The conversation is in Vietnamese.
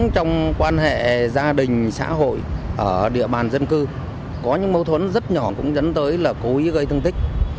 trong quan hệ gia đình xã hội ở địa bàn dân cư có những mâu thuẫn rất nhỏ cũng dẫn tới là cố ý gây thương tích